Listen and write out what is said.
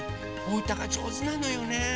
おうたがじょうずなのよね。